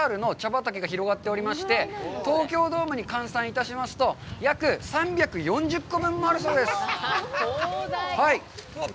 畑が広がっておりまして、東京ドームに換算いたしますと、約３４０個分もあるそうです！